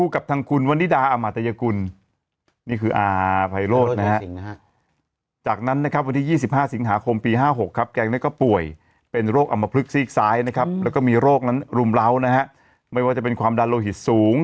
แล้วก็มีโรคนั้นรุมเหลานะครับไม่ว่าจะเป็นความดันโลหิตสูง